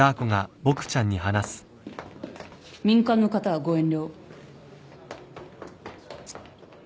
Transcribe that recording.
民間の方はご遠慮を。